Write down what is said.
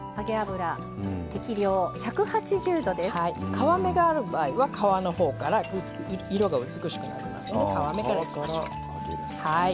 皮目がある場合は皮のほうから色が美しくなりますので皮目からいきましょう。